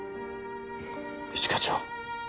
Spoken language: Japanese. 一課長。